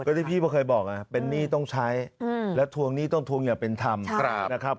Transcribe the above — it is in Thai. ที่พี่ก็เคยบอกเป็นหนี้ต้องใช้แล้วทวงหนี้ต้องทวงอย่างเป็นธรรมนะครับ